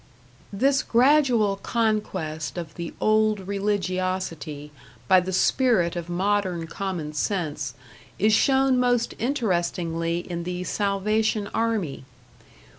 This gradual conquest of the old religiosity by the spirit of modern common sense is shown most interestingly in the Salvation Army.